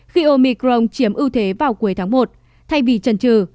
khi omicron chiếm ưu thế vào cuối tháng một thay vì trần trừ